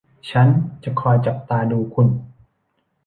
ฉันจะคอยจับตาดูคุณ